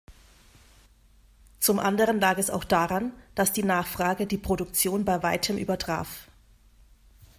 Zum anderen lag es auch daran, dass die Nachfrage die Produktion bei weitem übertraf.